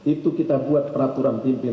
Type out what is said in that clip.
itu kita buat peraturan pimpinan